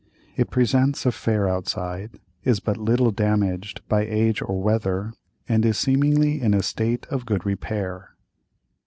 It presents a fair outside, is but little damaged by age or weather, and is seemingly in a state of good repair.